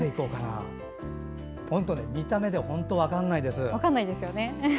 見た目じゃ本当に分からないです。